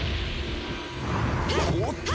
おっと！